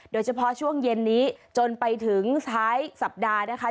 โดยเฉพาะช่วงเย็นนี้จนไปถึงท้ายสัปดาห์นะคะ